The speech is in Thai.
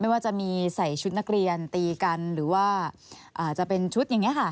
ว่าจะมีใส่ชุดนักเรียนตีกันหรือว่าจะเป็นชุดอย่างนี้ค่ะ